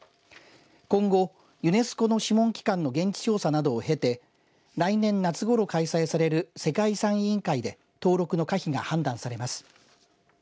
今後、ユネスコの諮問機関の現地調査などを経て来年夏ごろ開催される世界遺産委員会で登録の可否が判断されます。